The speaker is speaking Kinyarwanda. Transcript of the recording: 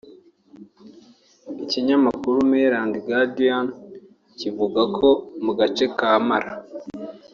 Ikinyamakuru Mail&Guardian kivuga ko mu gace ka Mara